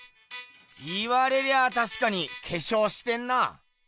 言われりゃあたしかに化粧してんなあ。